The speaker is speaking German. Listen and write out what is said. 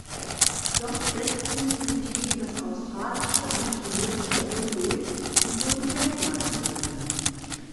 Dort setzten sie sich gegen das australische und chinesische Boot durch und wurden Weltmeisterinnen.